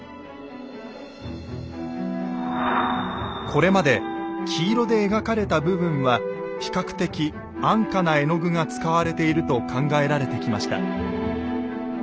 これまで黄色で描かれた部分は比較的安価な絵の具が使われていると考えられてきました。